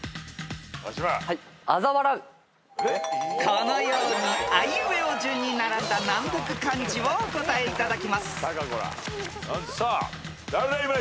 ［このようにあいうえお順に並んだ難読漢字をお答えいただきます］